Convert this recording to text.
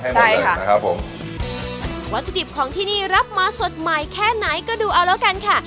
ใช่ค่ะนะครับผมวัตถุดิบของที่นี่รับมาสดใหม่แค่ไหนก็ดูเอาแล้วกันค่ะ